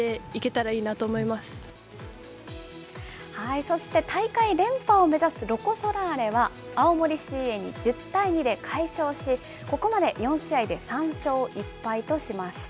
そして、大会連覇を目指すロコ・ソラーレは、青森ＣＡに１０対２で快勝し、ここまで４試合で３勝１敗としました。